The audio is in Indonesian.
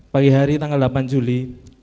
pagi hari tanggal delapan juli